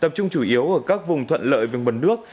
tập trung chủ yếu ở các vùng thuận lợi về nguồn nước